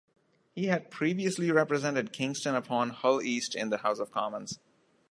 He had previously represented Kingston upon Hull East in the House of Commons.